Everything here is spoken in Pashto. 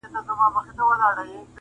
چوپ دی نغمه زار د آدم خان او درخانیو.!